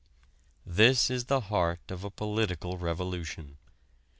This is the heart of a political revolution.